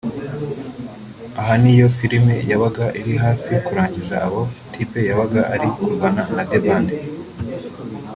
Aha ni iyo filime yabaga iri hafi kurangira aho Tipe yabaga ari kurwana na Debande